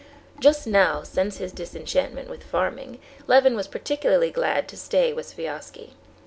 Just now, since his disenchantment with farming, Levin was particularly glad to stay with Sviazhsky.